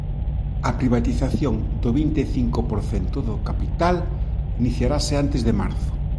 A privatización do vinte e cinco por cento do capital iniciarase antes de marzo.